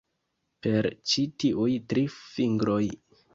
Per ĉi tiuj tri fingroj.